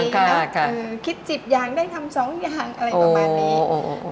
คือคิด๑๐อย่างได้ทำ๒อย่างอะไรประมาณนี้